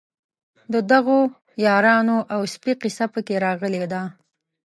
د دغو یارانو او سپي قصه په کې راغلې ده.